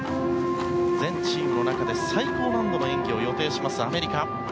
全チームの中で最高難度の演技を予定します、アメリカ。